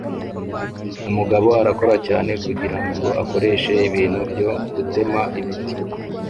Umugabo arakora cyane kugirango akoreshe ibiti byo gutema ibiti